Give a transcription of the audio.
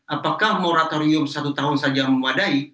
apakah moratorium satu tahun saja memadai